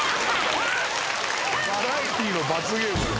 バラエティーの罰ゲームだよ。